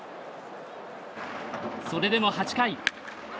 それでも８回。